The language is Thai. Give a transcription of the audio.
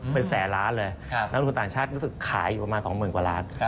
เป็นแสนล้านเลยน้องทุนต่างชาติขายอยู่ประมาณสองหมื่นกว่าร้าน